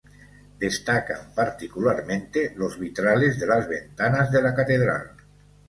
Destacan particularmente los vitrales de las ventanas de la catedral.